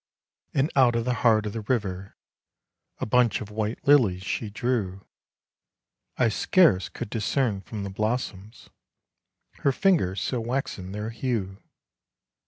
And out of the heart of the river A bunch of white lilies she drew, I scarce could discern from the blossoms Her fingers, so waxen their hue.